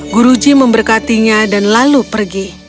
guruji memberkatinya dan lalu pergi